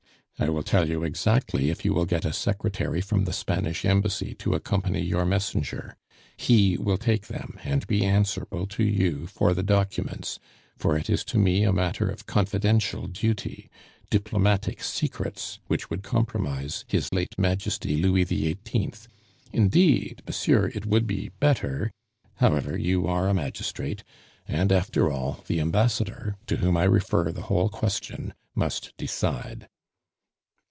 "I will tell you exactly if you will get a secretary from the Spanish Embassy to accompany your messenger. He will take them and be answerable to you for the documents, for it is to me a matter of confidential duty diplomatic secrets which would compromise his late Majesty Louis XVIII Indeed, monsieur, it would be better However, you are a magistrate and, after all, the Ambassador, to whom I refer the whole question, must decide."